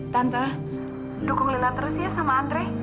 tante dukung lila terus ya sama andre